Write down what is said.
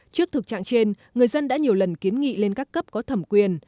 trước thực trạng trên người dân đã nhiều lần kiến nghị lên các cấp có thẩm quyền